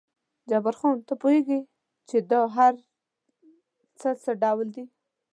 جبار خان، ته پوهېږې چې دا هر څه څه ډول دي؟